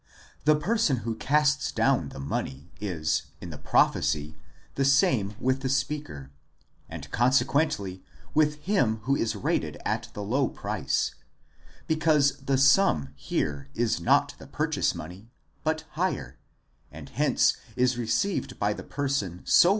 The person who casts down the money is in the prophecy the same with the speaker, and consequently with him who is rated at the low price, because the sum here is not purchase money but hire, and hence is received by the person so.